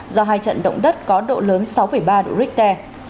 do hai trận động đất có độ lớn sáu ba độ richter